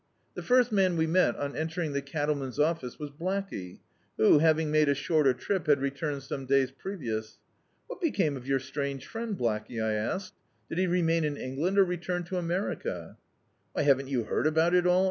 TTie first man we met, on entering the cattlemen's office, was Blackey, who, having made a shorter trip, had returned some days previous. "What be came of your strange friend, Blackey?" I asked. "Did he remain in England, or return to America?" "Why, haven't you heard about it all?"